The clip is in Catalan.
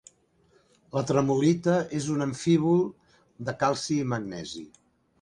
La tremolita és un amfíbol de calci i magnesi.